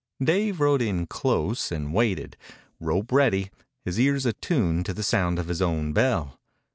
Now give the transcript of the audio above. Dave rode in close and waited, rope ready, his ears attuned to the sound of his own bell.